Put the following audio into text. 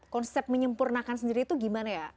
konsep menyempurnakan sendiri itu gimana ya